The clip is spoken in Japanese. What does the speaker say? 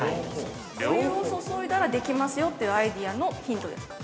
◆お湯を注いだらできますよというアイデアのヒントですか。